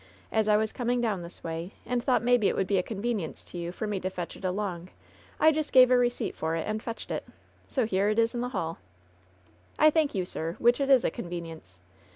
As I was com ing down this way, and thought maybe it would be a convenience to you for me to fetch it along, I just gave a receipt for it and fetched it. So here it is in ihe hall." "I thank you, sir,, which it is a convenience!